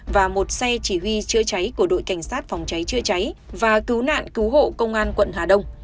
và một xe chỉ huy chữa cháy của đội cảnh sát phòng cháy chữa cháy và cứu nạn cứu hộ công an quận hà đông